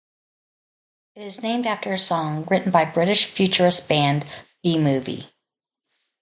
It is named after a song written by British futurist band B-Movie.